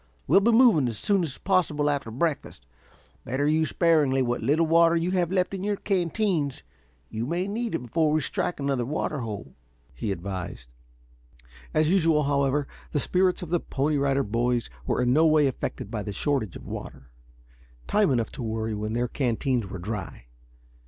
We'll be moving as soon as possible after breakfast. Better use sparingly what little water you have left in your canteens. You may need it before we strike another water hole," he advised. As usual, however, the spirits of the Pony Rider Boys were in no way affected by the shortage of water. Time enough to worry when their canteens were dry.